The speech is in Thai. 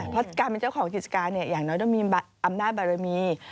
เพราะการเป็นเจ้าของกิจการอย่างน้อยต้องมีอำนาจบารมี